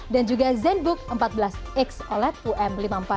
dan juga zenbook empat belas x oled um lima ribu empat ratus satu